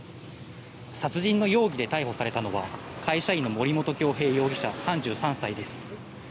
殺人の容疑で逮捕されたのは、会社員の森本恭平容疑者、３３歳です。